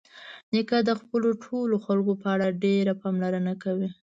نیکه د خپلو ټولو خلکو په اړه ډېره پاملرنه کوي.